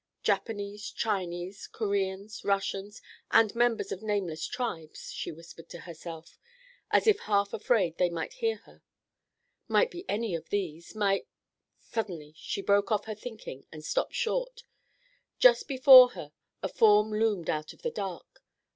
"Japanese, Chinese, Koreans, Russians, and members of nameless tribes," she whispered to herself, as if half afraid they might hear her. "Might be any of these. Might—" Suddenly she broke off her thinking and stopped short. Just before her a form loomed out of the dark.